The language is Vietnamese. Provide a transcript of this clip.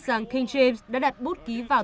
rằng king james đã đặt bút ký vào